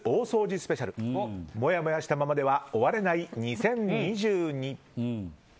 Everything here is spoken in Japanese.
スペシャルもやもやしたままでは終われない２０２２。